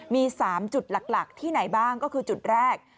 มี๓จุดหลักที่ไหนบ้างก็คือจุดแรก